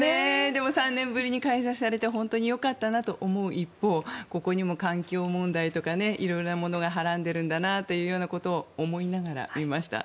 でも、３年ぶりに開催されて本当によかったなと思う一方ここにも環境問題とか色々なものがはらんでいるんだなと思いながら見ました。